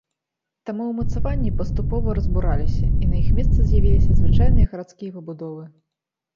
Таму ўмацаванні паступова разбураліся і на іх месцы з'явіліся звычайныя гарадскія пабудовы.